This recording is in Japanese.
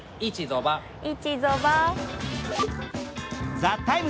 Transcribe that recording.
「ＴＨＥＴＩＭＥ，」